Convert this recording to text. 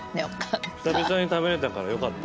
久々に食べれたからよかった。